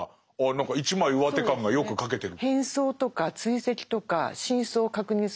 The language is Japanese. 何か一枚うわて感がよく書けてる。